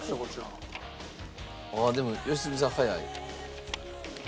でも良純さん早い。